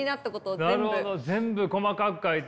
なるほど全部細かく書いて。